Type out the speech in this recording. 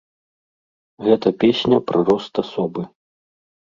Гэта песня пра рост асобы.